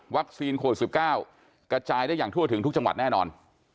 วัคซีนโคลดสิบเก้ากระจายได้อย่างทั่วถึงทุกจังหวัดแน่นอน